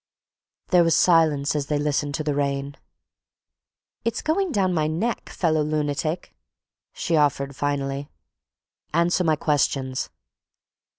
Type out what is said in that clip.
There was a silence as they listened to the rain. "It's going down my neck, fellow lunatic," she offered finally. "Answer my questions."